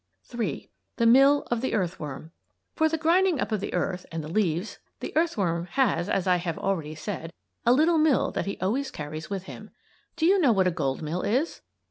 III. THE MILL OF THE EARTHWORM For the grinding up of the earth and the leaves, the earthworm has, as I have already said, a little mill that he always carries with him. Do you know what a gold mill is?